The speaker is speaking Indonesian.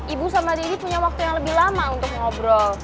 ibu sama didi punya waktu yang lebih lama untuk ngobrol